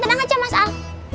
tenang aja mas al